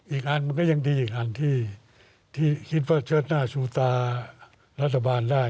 อีกอันมันก็ยังดีอีกอันที่คิดว่าเชิดหน้าชูตารัฐบาลได้